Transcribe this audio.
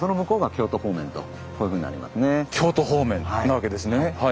京都方面なわけですねはい。